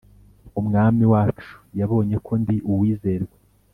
Umwami wacu yabonye ko ndi uwizerwa